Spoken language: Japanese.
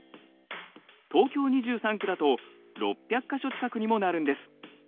東京２３区だと６００か所近くにもなるんです。